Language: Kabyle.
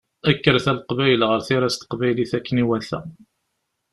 Kkret a Leqbayel ɣer tira s teqbaylit akken iwata!